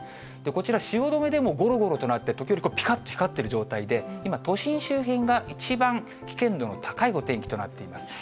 こちら、汐留でもごろごろと鳴って、時々ぴかっと光ってる状態で、今、都心周辺が一番危険度の高いお天気となっています。